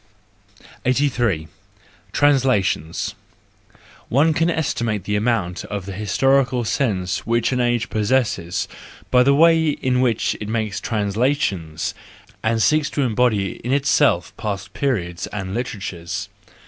83. Translations .—One can estimate the amount of the historical sense which an age possesses by the way in which it makes translations and seeks to embody in itself past periods and literatures.